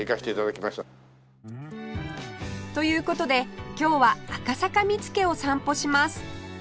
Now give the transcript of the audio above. という事で今日は赤坂見附を散歩します